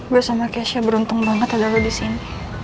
gue sama kesya beruntung banget ada lo di sini